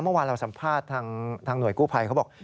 เมื่อวานเราสัมภาษณ์ทางหน่วยกู้ภัยเขาบอก